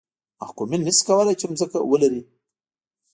محکومین نه شي کولای چې ځمکه ولري.